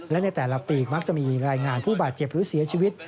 และในแต่ละปีมักจะมีรายงานผู้บาดเจ็บหรือเสียชีวิต